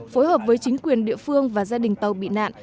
phối hợp với chính quyền địa phương và gia đình tàu bị nạn